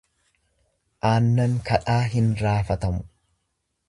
Aannan kadhaa hin raafatamu.